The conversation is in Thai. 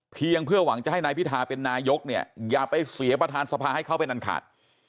เพียงเพื่อหวังจะให้นายพิทาเป็นนายกอย่าไปเสียประธานสภาให้เข้าไปนั้นขาด